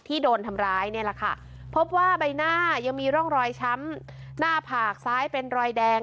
โดนทำร้ายเนี่ยแหละค่ะพบว่าใบหน้ายังมีร่องรอยช้ำหน้าผากซ้ายเป็นรอยแดง